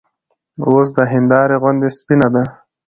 اوس د هېندارې غوندې سپينه ده